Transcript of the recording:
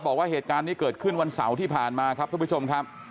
บอกว่าเหตุการณ์นี้เกิดขึ้นวันเสาร์ที่ผ่านมาครับทุกผู้ชมครับ